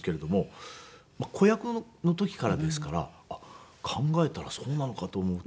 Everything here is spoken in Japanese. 子役の時からですから考えたらそうなのかと思うと。